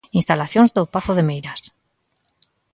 Instalacións do pazo de Meirás.